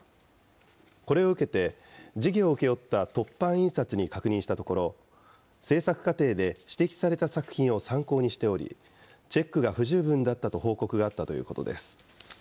これを受けて、事業を請け負った凸版印刷に確認したところ、制作過程で指摘された作品を参考にしており、チェックが不十分だったと報告があったということです。